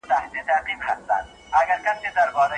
د کورنۍ له خوښې پرته هيڅ پرېکړه مه کوئ.